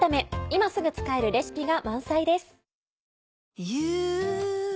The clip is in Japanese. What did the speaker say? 今すぐ使えるレシピが満載です。